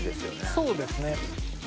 そうですね。